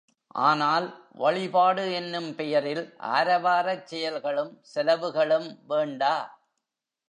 ஆனால், வழிபாடு என்னும் பெயரில், ஆரவாரச் செயல்களும் செலவுகளும் வேண்டா.